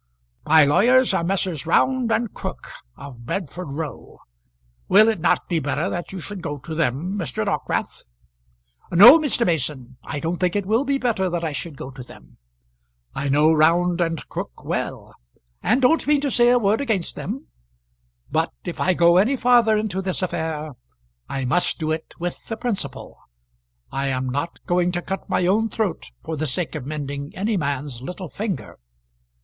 "My lawyers are Messrs. Round and Crook of Bedford Row. Will it not be better that you should go to them, Mr. Dockwrath?" "No, Mr. Mason. I don't think it will be better that I should go to them. I know Round and Crook well, and don't mean to say a word against them; but if I go any farther into this affair I must do it with the principal. I am not going to cut my own throat for the sake of mending any man's little finger.